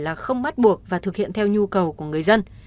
là không bắt buộc và thực hiện theo nhu cầu của người dân